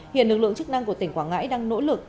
hiện lực lượng chức năng của tỉnh quảng ngãi đang nỗ lực